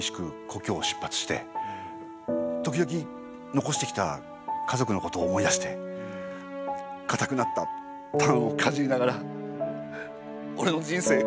故郷を出発して時々残してきた家族のことを思い出してかたくなったパンをかじりながらおれの人生